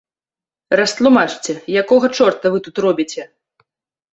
Растлумачце, якога чорта вы тут робіце.